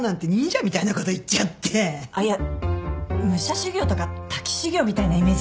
あっいや武者修行とか滝修行みたいなイメージで。